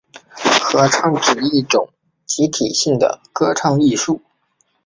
合唱指一种集体性的歌唱艺术。